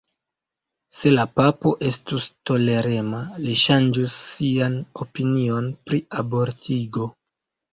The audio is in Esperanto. Se la papo estus tolerema, li ŝanĝus sian opinion pri abortigo.